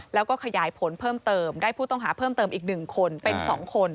แล้วก็ขยายผลเพิ่มเติมได้ผู้ต้องหาเพิ่มเติมอีก๑คนเป็น๒คน